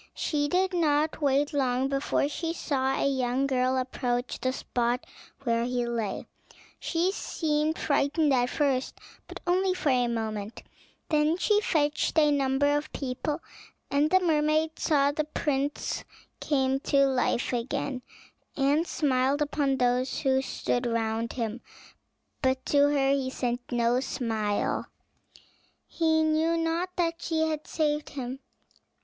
She did not wait long before she saw a young girl approach the spot where he lay. She seemed frightened at first, but only for a moment; then she fetched a number of people, and the mermaid saw that the prince came to life again, and smiled upon those who stood round him. But to her he sent no smile; he knew not that she had saved him.